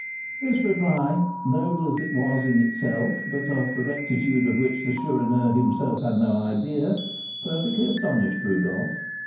This reply, noble as it was in itself, but of the rectitude of which the Chourineur himself had no idea, perfectly astonished Rodolph.